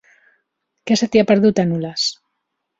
Què se t'hi ha perdut, a Nules?